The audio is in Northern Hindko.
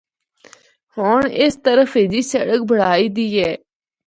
ہونڑ اس طرف ہچھی سڑک بنڑائی دی ہے۔